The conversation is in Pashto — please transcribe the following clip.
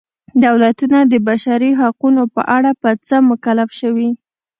دولتونه د بشري حقونو په اړه په څه مکلف شوي.